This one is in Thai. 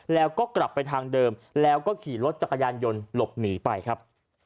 แล้วก็กลับไปทางเดิมแล้วก็ขี่รถจักรยานยนต์หลบหนีไปครับ